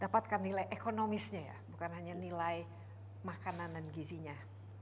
dapatkan nilai ekonomisnya ya bukan hanya nilai makanan dan gizinya